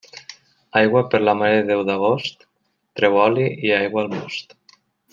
Aigua per la Mare de Déu d'agost, treu oli i aigua al most.